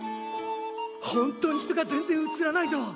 本当に人が全然写らないぞ！